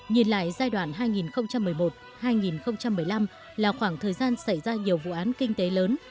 nhìn lại giai đoạn hai nghìn một mươi một hai nghìn một mươi năm là khoảng thời gian xảy ra nhiều vụ án kinh tế lớn